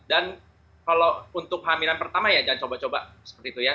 dan kalau untuk hamilan pertama ya jangan coba coba seperti itu ya